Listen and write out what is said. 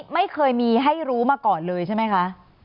ไม่เคยมีให้รู้มาก่อนเลยใช่ไหมคะ